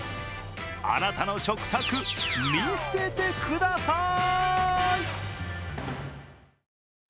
あなたの食卓、見せてください。